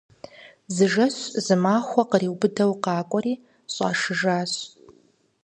Зы жэщ зы махуэм къриубыдэу къакӏуэри щӏашыжащ.